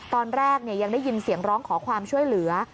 ตอนแรกยังได้ยินเสียงร้องขอความช่วยเหลือ